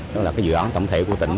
đó là dự án tổng thể của tỉnh